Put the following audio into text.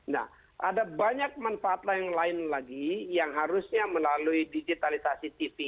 nah ada banyak manfaat lain lagi yang harusnya melalui digitalisasi tv